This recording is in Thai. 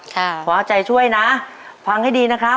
ขอเอาใจช่วยนะฟังให้ดีนะครับ